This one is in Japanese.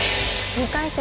２回戦